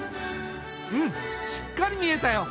うんしっかり見えたよ。